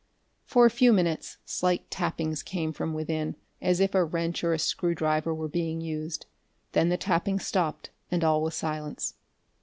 For a few minutes slight tappings came from within, as if a wrench or a screwdriver were being used. Then the tappings stopped, and all was silence.